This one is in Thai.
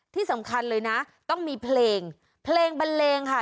ที่สำคัญเลยนะต้องมีเพลงเพลงบันเลงค่ะ